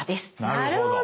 なるほど。